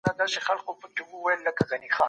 اقتصادي وده د پانګې له راټولېدو سره تړلې ده.